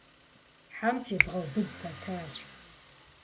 Хьэм себгъэубыд пэтащ.